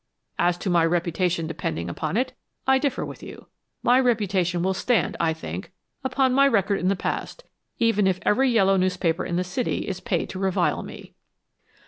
As to my reputation depending upon it, I differ with you. My reputation will stand, I think, upon my record in the past, even if every yellow newspaper in the city is paid to revile me."